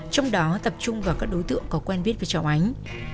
trong đó tập trung vào các đối tượng có quen biết về chồng ánh